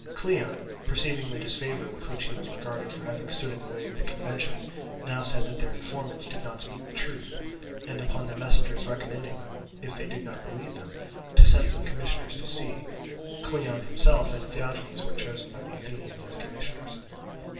Cleon, perceiving the disfavour with which he was regarded for having stood in the way of the convention, now said that their informants did not speak the truth; and upon the messengers recommending them, if they did not believe them, to send some commissioners to see, Cleon himself and Theagenes were chosen by the Athenians as commissioners.